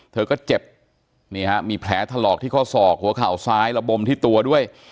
เธอก็เจ็บนี่ฮะมีแผลถลอกที่ข้อศอกหัวเข่าซ้ายระบมที่ตัวด้วย